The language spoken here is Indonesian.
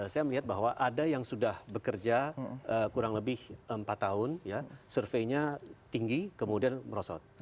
saya melihat bahwa ada yang sudah bekerja kurang lebih empat tahun surveinya tinggi kemudian merosot